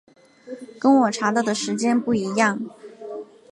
跟我查到的时间不一样